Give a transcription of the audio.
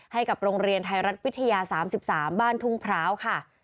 ให้กับโรงเรียนไทยรัฐวิทยา๓๓บ้านทุ่งพร้าวค่ะ